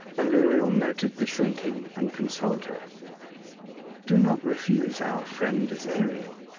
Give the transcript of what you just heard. Aleriel noted the shrinking, and consoled her. " Do not refuse our friend, Ezariel.